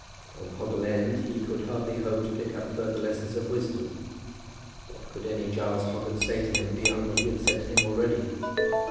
From Hoggle End he could hardly hope to pick up further lessons of wisdom. What could any Giles Hoggett say to him beyond what he had said to him already?